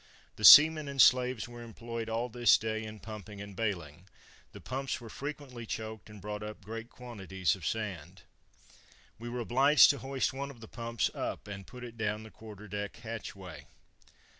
The seamen and slaves were employed all this day in pumping and baling; the pumps were frequently choked, and brought up great quantities of sand. We were obliged to hoist one of the pumps up, and put it down the quarter deck hatchway.